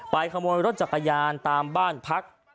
ขโมยรถจักรยานตามบ้านพัก